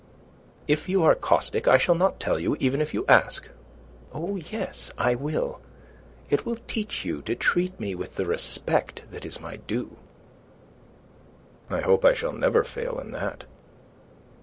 "If you are caustic I shall not tell you even if you ask. Oh, yes, I will. It will teach you to treat me with the respect that is my due." "I hope I shall never fail in that."